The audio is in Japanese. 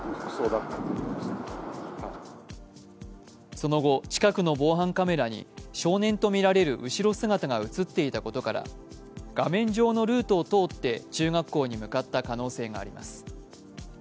その後、近くの防犯カメラに少年と見られる後ろ姿が映っていたことから画面上のルートを通って中学校に向かった可能性があります。